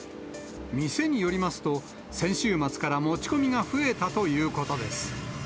店によりますと、先週末から持ち込みが増えたということです。